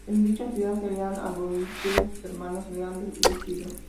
En dicha ciudad serían arzobispos sus hermanos Leandro e Isidoro.